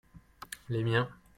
les miens.